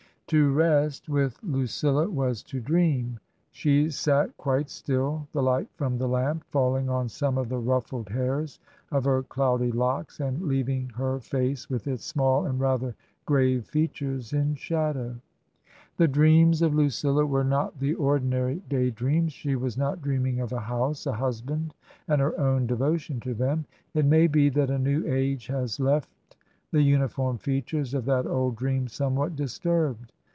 To rest with Lucilla was to dream. She sat quite still, the light from the lamp falling on some of the ruffled hairs of her cloudy locks and leaving her face, with its small and rather grave features, in shadow. The dreams of Lucilla were not the ordinary day dreams. She was not dreaming of a House, a Husband, and her own de votion to them. It may be that a new age has left the uniform features of that old dream somewhat disturbed.